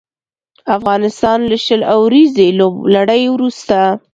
افغانستان له شل اوريزې لوبلړۍ وروسته